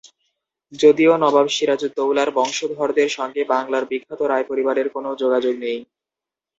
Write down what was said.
যদিও নবাব সিরাজ উদ দৌলার বংশধরদের সঙ্গে বাংলার বিখ্যাত রায় পরিবারের কোনও যোগাযোগ নেই।